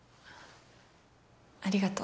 ありがとう。